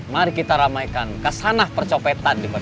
mari kita ramaikan kesanah percopetan di kota ini